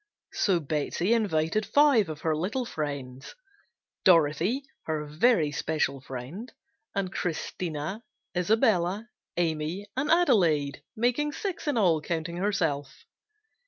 So Betsey invited five of her little friends: Dorothy, her very special friend, and Christina, Isabella, Amy and Adelaide, making six in all, counting herself.